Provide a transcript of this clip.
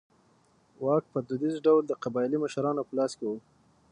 واک په دودیز ډول د قبایلي مشرانو په لاس کې و.